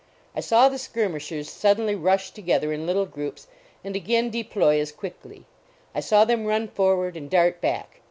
I saw the skirmishers suddenly rush together in little groups and again deploy as quickly. I saw them run forward and dart back.